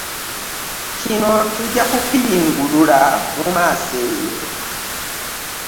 Kino tujja kukiyungulula mu maaso eyo.